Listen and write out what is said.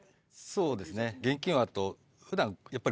そうですね。